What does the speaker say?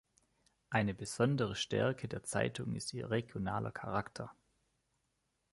Eine besondere Stärke der Zeitung ist ihr regionaler Charakter.